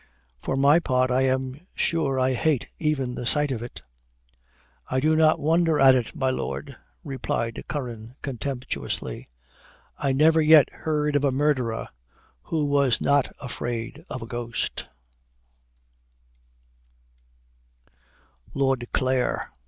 For my part, I am sure I hate even the sight of it." "I do not wonder at it, my lord," replied Curran contemptuously; "I never yet heard of a murderer who was not afraid of a ghost." LORD CLARE.